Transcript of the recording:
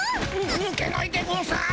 ぬけないでゴンス。